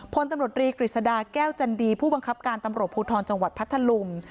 พลตำรวจรีกฤษฎาแก้วจันดีผู้บังคับการตำรวจภูทรจังหวัดพัทธลุง